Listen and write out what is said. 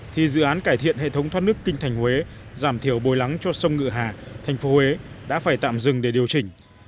thì dự án cải thiện hệ thống thoát nước kinh thành huế giảm thiểu bồi lắng cho sông ngựa hà thành phố huế đã phải tạm dừng để điều chỉnh